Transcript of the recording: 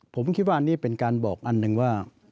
ผมคิดว่าอันนี้เป็นการบอกอันหนึ่งว่า